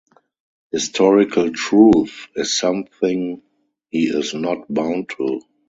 Historical truth is something he is not bound to.